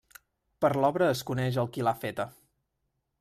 Per l'obra es coneix el qui l'ha feta.